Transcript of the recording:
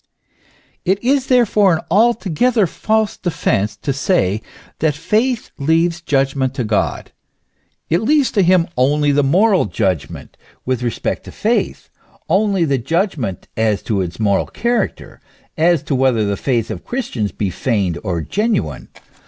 It is therefore an altogether false defence to say, that faith leaves judgment to God. It leaves to him only the moral judgment with respect to faith, only the judgment as to its THE CONTRADICTION OF FAITH AND LOVE. 253 moral character, as to whether the faith of Christians be feigned or genuine.